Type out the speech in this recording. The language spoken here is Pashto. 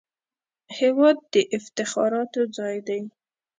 هېواد د افتخاراتو ځای دی